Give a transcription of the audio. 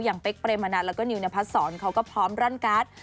เป๊กเปรมนัดแล้วก็นิวนพัดศรเขาก็พร้อมรั่นการ์ด